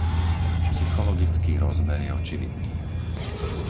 Psychologický rozmer je očividný.